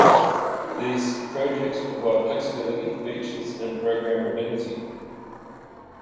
These projects provide flexibility, features, and programmability.